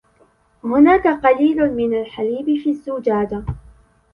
هناك قليل من الحليب في الزجاجة.